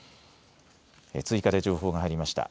追加で情報が入りました。